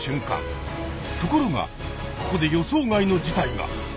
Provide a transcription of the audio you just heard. ところがここで予想外の事態が！